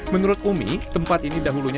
menurut umi tempat ini dahulunya